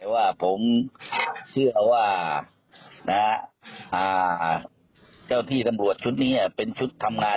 ว่าผมเชื่อว่านะอ่าเจ้าพี่ตำรวจชุดนี้อ่ะเป็นชุดทำงาน